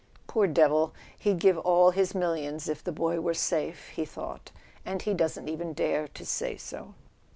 "Poor devil—he*d give all his millions if the boy were safe,'* he thought, 44 and he doesn't even dare to say so."